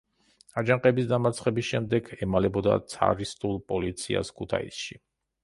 აჯანყების დამარცხების შემდეგ ემალებოდა ცარისტულ პოლიციას ქუთაისში.